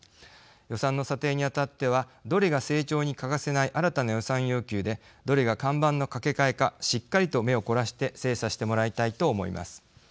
予算の査定にあたってはどれが成長に欠かせない新たな予算要求でどれが看板のかけかえかしっかりと目を凝らして精査してもらいたいと思います。